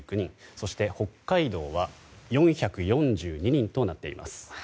そして北海道は４４２人となっています。